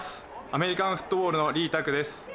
アメリカンフットボールの李卓です。